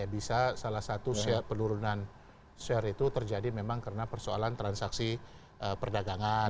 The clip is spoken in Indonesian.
bisa salah satu share penurunan share itu terjadi memang karena persoalan transaksi perdagangan